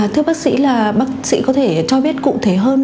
thưa bác sĩ là bác sĩ có thể cho biết cụ thể hơn